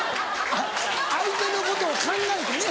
相手のことを考えてね。